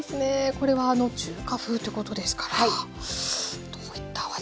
これは中華風ってことですからどういったお味なのか。